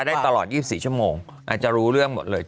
ได้ตลอดยี่สิบสี่ชั่วโมงอาจจะรู้เรื่องหมดเลย